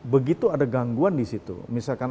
begitu ada gangguan di situ misalkan